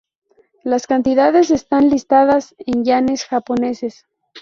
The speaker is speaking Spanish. Las cantidades están listadas en Yenes japoneses.